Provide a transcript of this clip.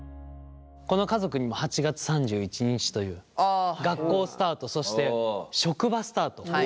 この家族にも８月３１日という学校スタートそして職場スタートが訪れる。